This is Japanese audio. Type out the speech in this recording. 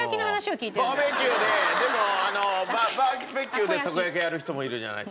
バーベキューででもバーベキューでたこ焼きをやる人もいるじゃないですか。